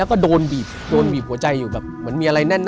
คัยับข้อยื่นไม่ได้